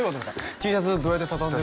「Ｔシャツどうやって畳んでる？」